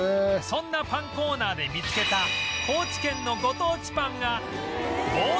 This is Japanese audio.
そんなパンコーナーで見つけた高知県のご当地パンが